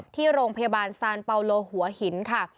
ที่โรงพยาบาลซานเปาโลหัวหินค่ะ